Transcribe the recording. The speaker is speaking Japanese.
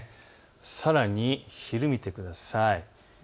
さらに昼を見てください。